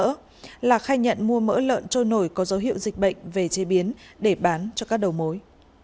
trần lạc khai nhận mua mỡ lợn trôi nổi có dấu hiệu dịch bệnh về chế biến để bán cho các đầu mối